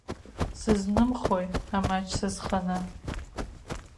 Сызнымхои амаҷ сызханы?